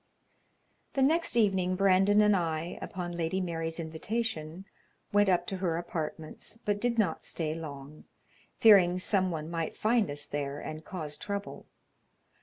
The next evening Brandon and I, upon Lady Mary's invitation, went up to her apartments, but did not stay long, fearing some one might find us there and cause trouble.